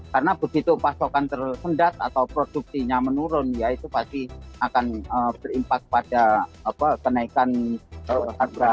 karena begitu pasokan tersendat atau produksinya menurun ya itu pasti akan berimpas pada kenaikan harga